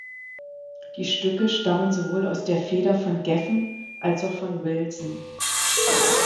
Die Stücke stammen sowohl aus der Feder von Geffen als auch von Wilson.